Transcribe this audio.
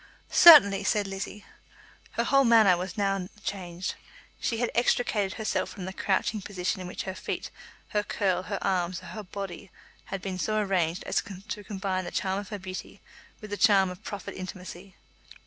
"Certainly," said Lizzie. Her whole manner was now changed. She had extricated herself from the crouching position in which her feet, her curl, her arms, her whole body had been so arranged as to combine the charm of her beauty with the charm of proffered intimacy.